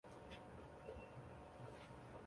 大业十一年李渊任山西河东郡慰抚大使。